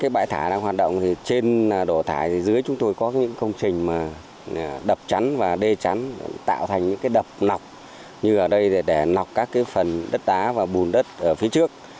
bên đổ thải dưới chúng tôi có những công trình đập trắn và đê trắn tạo thành những đập nọc như ở đây để nọc các phần đất đá và bùn đất ở phía trước